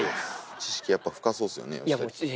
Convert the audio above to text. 知識、やっぱ深そうですね。